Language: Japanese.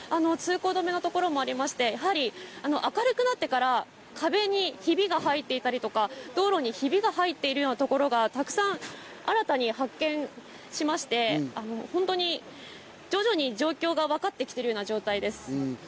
通行止めのところもありまして、やはり明るくなってから壁にひびが入っていたりとか、道路にひびが入っているようなところがたくさん新たに発見しまして、本当に徐々に状況が分かってきているような状態です。